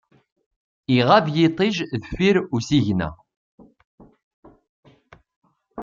Iɣab yiṭij deffir usigna.